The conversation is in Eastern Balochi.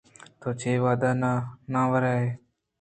تو چے وھد ءَ نان ور ئے ؟